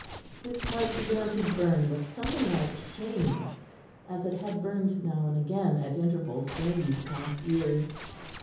His heart began to burn with something like shame, as it had burned now and again at intervals during these past years.